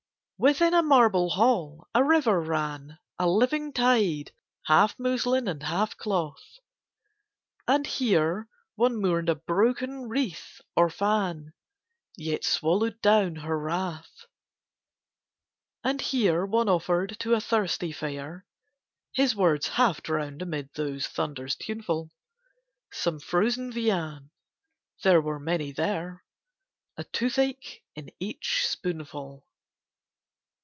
Within a marble hall a river ran— A living tide, half muslin and half cloth: And here one mourned a broken wreath or fan, Yet swallowed down her wrath; And here one offered to a thirsty fair (His words half drowned amid those thunders tuneful) Some frozen viand (there were many there), A tooth ache in each spoonful.